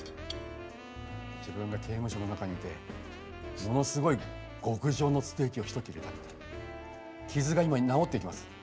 自分が刑務所の中にいてものすごい極上のステーキをひと切れ食べて傷が今に治っていきます。